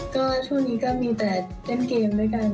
ก็ช่วงนี้ก็มีแต่เล่นเกมด้วยกัน